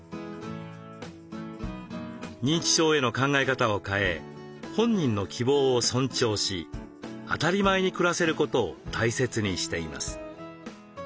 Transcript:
認知症への考え方を変え本人の希望を尊重し当たり前に暮らせることを大切にしています。